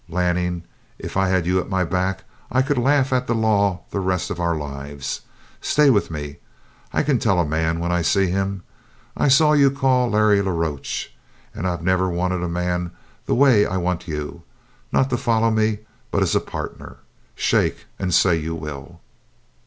Lanning, if I had you at my back I could laugh at the law the rest of our lives! Stay with me. I can tell a man when I see him. I saw you call Larry la Roche. And I've never wanted a man the way I want you. Not to follow me, but as a partner. Shake and say you will!"